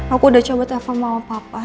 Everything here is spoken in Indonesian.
aku sudah coba telpon sama bapak